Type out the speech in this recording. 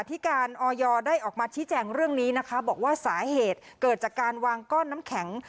ที่การออยได้ออกมาชี้แจงเรื่องนี้นะคะบอกว่าสาเหตุเกิดจากการวางก้อนน้ำแข็ง